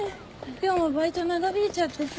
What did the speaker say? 今日もバイト長引いちゃってさ。